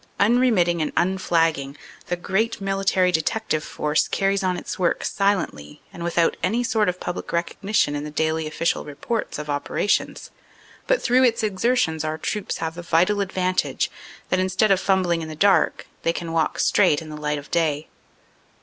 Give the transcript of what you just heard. Unremitting and unflagging, the great military detective force carries on its work silently and without any sort of public recognition in the daily official reports of operations, but through its exertions our troops have the vital advantage that instead of fumbling in the dark they can walk straight in the light of day.